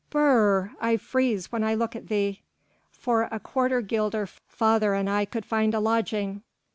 Brrr! I freeze when I look at thee...." "For a quarter guilder father and I could find a lodging...."